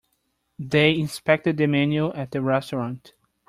They inspected the menu at the restaurant.